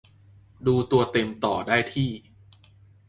ดูตัวเต็มต่อได้ที่